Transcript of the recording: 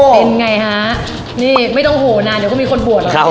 เป็นไงฮะนี่ไม่ต้องโหนานเดี๋ยวก็มีคนบวชเหรอ